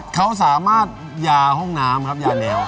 เขาสามารถยาห้องน้ำครับยาแนว